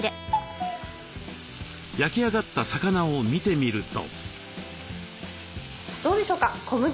焼き上がった魚を見てみると。